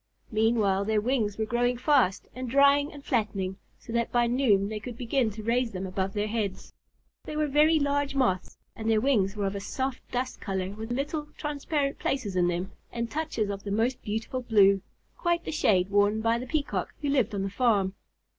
Meanwhile their wings were growing fast, and drying, and flattening, so that by noon they could begin to raise them above their heads. They were very large Moths and their wings were of a soft dust color with little clear, transparent places in them and touches of the most beautiful blue, quite the shade worn by the Peacock, who lived on the farm.